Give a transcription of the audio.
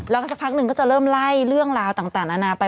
แล้วก็สักพักหนึ่งก็จะเริ่มไล่เรื่องราวต่างนานาไป